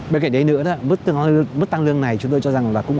bên cạnh đấy nữa mức tăng lương này chúng tôi cho rằng là cũng